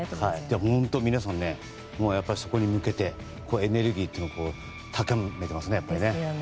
本当、皆さんやっぱり、そこに向けてエネルギーというのを高めていますね。